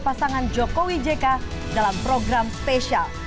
pasangan jokowi jk dalam program spesial